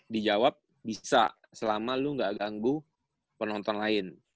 dijawab bisa selama lu ga ganggu penonton lain